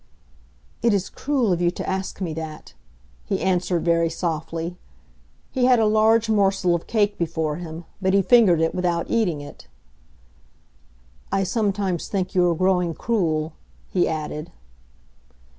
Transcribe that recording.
"It is cruel of you to ask me that," he answered, very softly. He had a large morsel of cake before him; but he fingered it without eating it. "I sometimes think you are growing cruel," he added.